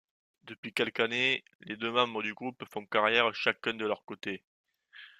Depuis quelques années, les deux membres du groupe font carrière chacun de leur côté.